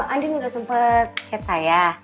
andin udah sempet chat saya